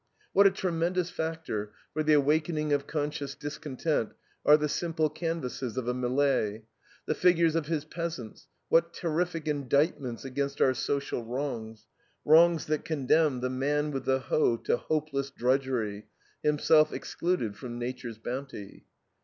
What a tremendous factor for the awakening of conscious discontent are the simple canvasses of a Millet! The figures of his peasants what terrific indictment against our social wrongs; wrongs that condemn the Man With the Hoe to hopeless drudgery, himself excluded from Nature's bounty.